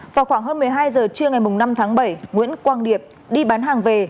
vào khoảng hơn một mươi hai h trưa ngày năm tháng bảy nguyễn quang điệp đi bán hàng về